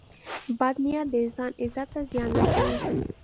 • بد نیت د انسان عزت ته زیان رسوي.